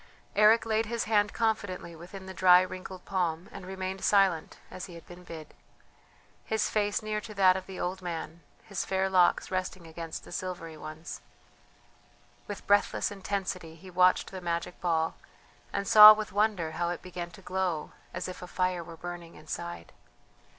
Eric laid his hand confidently within the dry wrinkled palm, and remained silent, as he had been bid, his face near to that of the old man, his fair locks resting against the silvery ones. With breathless intensity he watched the magic ball, and saw with wonder how it began to glow as if a fire were burning inside.